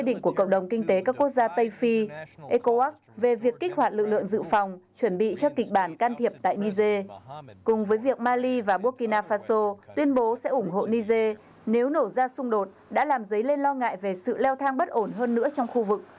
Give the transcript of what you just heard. cùng với việc mali và burkina faso tuyên bố sẽ ủng hộ niger nếu nổ ra xung đột đã làm dấy lên lo ngại về sự leo thang bất ổn hơn nữa trong khu vực